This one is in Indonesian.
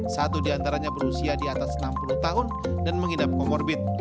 satu diantaranya berusia di atas enam puluh tahun dan menghidap komorbit